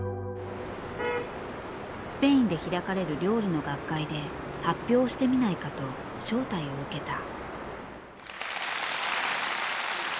スペインで開かれる料理の学会で発表をしてみないかと招待を受けた。